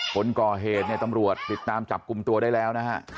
คนก่อเหตุตำรวจติดตามจับกลุ่มตัวได้แล้ว